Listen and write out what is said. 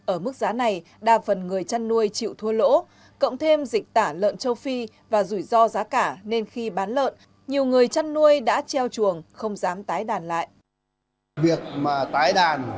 ở mức giá này đa phần người chăn nuôi chịu thua lỗ cộng thêm dịch tả lợn châu phi và rủi ro giá cả nên khi bán lợn nhiều người chăn nuôi đã treo chuồng không dám tái đàn lại